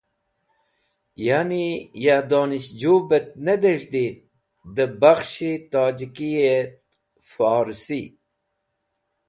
Ya’ni ya donishju bet ne dez̃hdi de bakhsh-e Tojiki et Forsi.